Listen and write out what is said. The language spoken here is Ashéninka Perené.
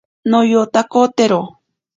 Noyakotero.